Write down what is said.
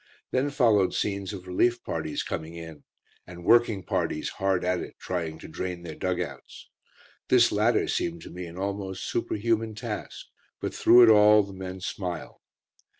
Then followed scenes of relief parties coming in, and working parties hard at it trying to drain their dug outs. This latter seemed to me an almost superhuman task; but through it all, the men smiled.